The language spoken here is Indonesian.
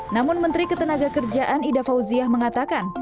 namun menteri ketenaga kerjaan ida fauziah mengatakan